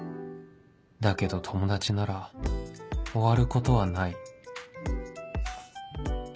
だけど友達なら終わることはない